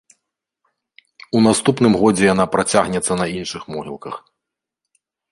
У наступным годзе яна працягнецца на іншых могілках.